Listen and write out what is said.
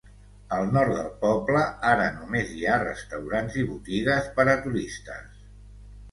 Al nord del poble ara només hi ha restaurants i botigues per a turistes.